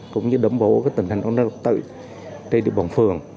cũng như đồng bố tình hình an ninh trật tự trên địa bàn phường